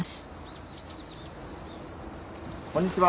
こんにちは。